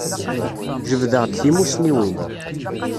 Jebdeɣ-d timussniwin.